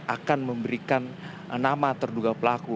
akan memberikan nama terduga pelaku